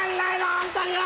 あんたには！